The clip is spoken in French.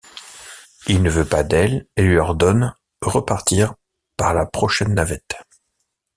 Il ne veut pas d'elle et lui ordonne repartir par la prochaine navette...